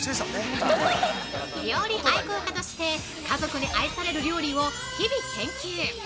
料理愛好家として家族に愛される料理を日々研究。